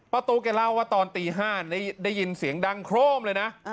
ตู้แกเล่าว่าตอนตี๕ได้ยินเสียงดังโครมเลยนะ